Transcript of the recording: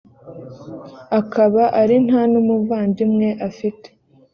akaba ari nta n umuvandimwe afite